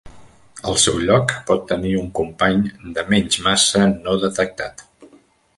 Al seu lloc, pot tenir un company de menys massa no detectat.